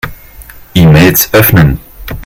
E-Mails öffnen.